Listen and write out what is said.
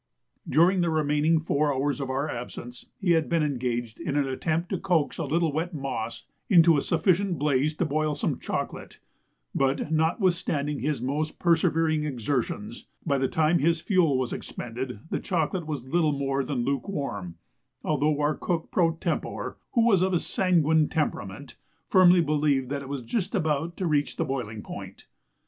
During the remaining four hours of our absence, he had been engaged in an attempt to coax a little wet moss into a sufficient blaze to boil some chocolate; but, notwithstanding his most persevering exertions, by the time his fuel was expended, the chocolate was little more than lukewarm, although our cook pro tempore, who was of a sanguine temperament, firmly believed that it was just about to reach the boiling point.